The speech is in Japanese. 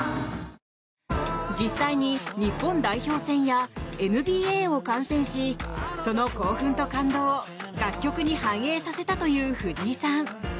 実際に日本代表戦やＮＢＡを観戦しその興奮と感動を楽曲に反映させたという藤井さん。